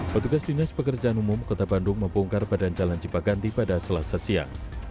pertugas dinas pekerjaan umum kota bandung membongkar badan jalan jipa ganti pada selasa siang